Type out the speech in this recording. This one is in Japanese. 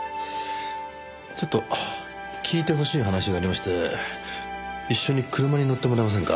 ちょっと聞いてほしい話がありまして一緒に車に乗ってもらえませんか？